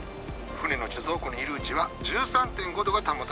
船の貯蔵庫にいるうちは１３．５度が保たれていたよね。